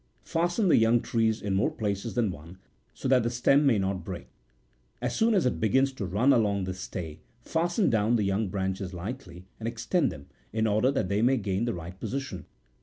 Fasten the young trees in more places than one, so that the stem may not break. As soon as it begins to run along the stay, fasten down the young branches lightly, and extend them, in order that they may gain the right position.